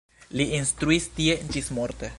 Li instruis tie ĝismorte.